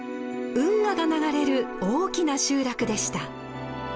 運河が流れる大きな集落でした。